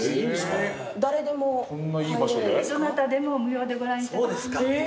どなたでも無料でご覧いただけます。